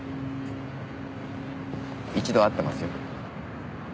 一度会ってますよ。